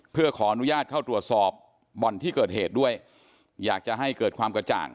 เพื่อขออนุญาตเข้าตรวจสอบบ่อนที่เกิดเหตุด้วยอยากจะให้เกิดความกระจ่าง